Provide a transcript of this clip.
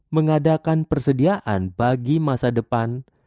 mengadakan persediaan bagi masa depan